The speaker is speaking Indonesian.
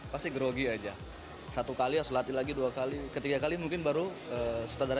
pasti grogi aja satu kali harus latih lagi dua kali ketiga kali mungkin baru sutradara